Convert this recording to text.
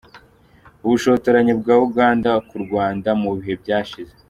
Ubushotoranyi bwa Uganda ku Rwanda mu bihe byashize.